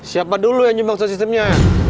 siapa dulu yang nyebang sesistemnya